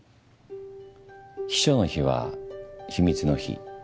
秘書の秘は秘密の秘。